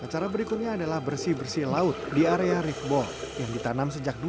acara berikutnya adalah bersih bersih laut di area riftball yang ditanam sejak dua ribu dua